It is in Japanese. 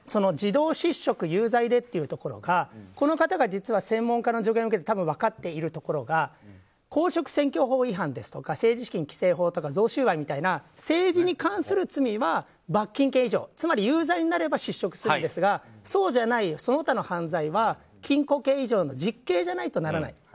自動失職有罪でというところがこの方が実は専門家の助言を受けて多分、分かっているところが公職選挙法違反ですとか政治資金法とか贈収賄とか政治に関する罪は罰金刑以上、つまり有罪になれば失職するんですがそうじゃないその他の犯罪は禁錮刑以上の実刑じゃないとならない。